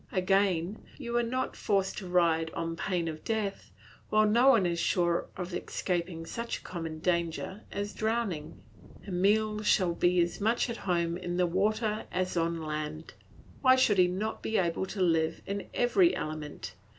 Again, you are not forced to ride on pain of death, while no one is sure of escaping such a common danger as drowning. Emile shall be as much at home in the water as on land. Why should he not be able to live in every element?